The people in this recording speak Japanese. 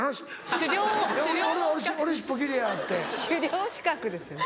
狩猟資格ですね。